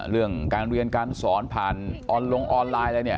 เรื่องการเรียนการสอนผ่านออนลงออนไลน์อะไรเนี่ย